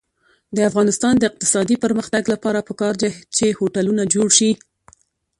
د افغانستان د اقتصادي پرمختګ لپاره پکار ده چې هوټلونه جوړ شي.